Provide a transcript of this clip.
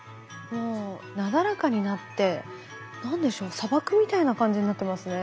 もうなだらかになって何でしょう砂漠みたいな感じになってますね。